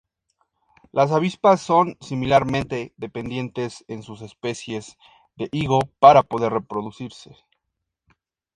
Las avispas son similarmente dependientes en sus especies de higo para poder reproducirse.